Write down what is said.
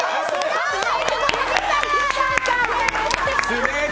すごい！